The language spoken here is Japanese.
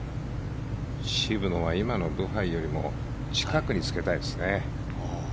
渋野は今のブハイよりも近くにつけたいですね。